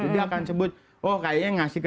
dia akan sebut oh kayaknya ngasih ke